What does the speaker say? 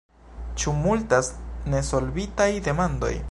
Ĉu multas nesolvitaj demandoj?